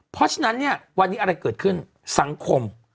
เพราะฉะนั้นเนี่ยวันนี้อะไรเกิดขึ้นสังคม